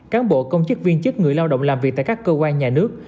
cán bộ công chức viên chức người lao động làm việc tại các cơ quan nhà nước